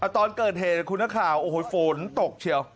ตอนเกิดเหตุคุณนักข่าวโอ้โหฝนตกเชียว